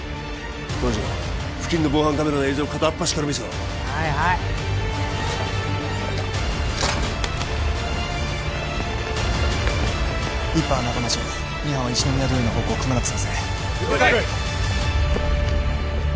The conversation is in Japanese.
東条付近の防犯カメラの映像片っ端から見せろはいはい１班は仲町を２班は市ノ宮通りの方向をくまなく捜せ了解！